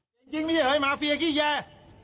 จริงมีหรือไม่มาฟีอ่ะกี้แย่